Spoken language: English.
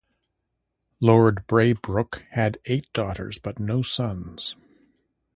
Lord Braybrooke had eight daughters but no sons.